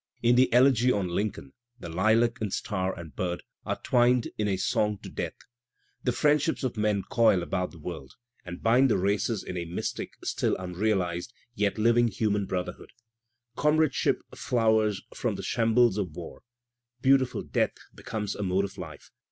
In the elegy on Lincoln, "lilac and star and bird" are twined in a song to Death. The friendships of men coil about the world and bind the races in a mystic, still unrealized, yet living human brotherhood. Comradeship flowers from the shambles of War. "Beautiful Death" becomes a mode of life.